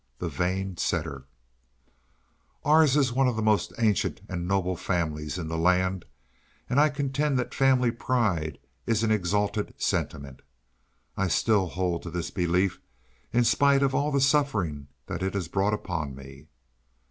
The Vain Setter OURS is one of the most ancient and noble families in the land, and I contend that family pride is an exalted sentiment. I still hold to this belief, in spite of all the sufferings that it has brought upon me.